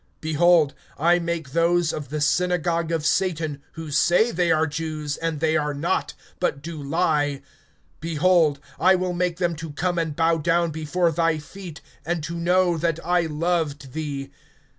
(9)Behold, I make those of the synagogue of Satan, who say they are Jews, and they are not, but do lie, behold, I will make them to come and bow down before thy feet, and to know that I loved thee.